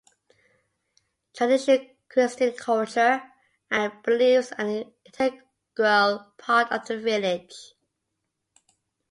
Traditional Christian culture and beliefs are an integral part of the village.